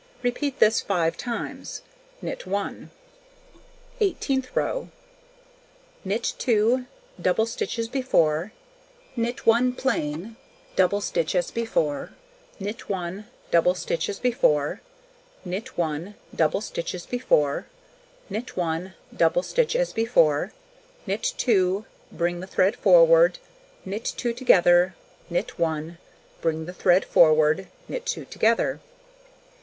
Repeat this 5 times. Knit 1. Eighteenth row: Knit 2, double stitch as before, knit 1 plain, double stitch as before, knit 1, double stitch as before, knit 1, double stitch as before, knit 1, double stitch as before, knit 2, bring the thread forward, knit 2 together, knit 1, bring the thread forward, knit 2 together.